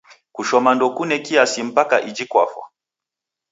Kushoma ndokune kusia mpaka iji kwafwa.